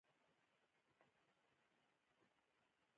یوه له هغو څخه هویل وه چې لوبه پکې وه.